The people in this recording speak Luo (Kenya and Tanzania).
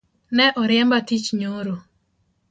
Ne oriemba tiich nyoro